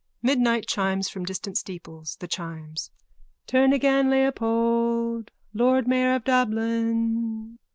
(Midnight chimes from distant steeples.) THE CHIMES: Turn again, Leopold! Lord mayor of Dublin!